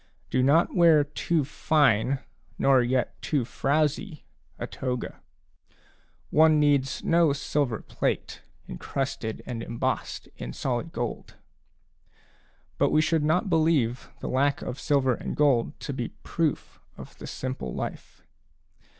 Do not wear too fine, nor yet too frowzy, a toga. One needs no silver plate, encrusted and embossed in solid gold; but we should not believe the lack of silver and gold to be proof of the simple life.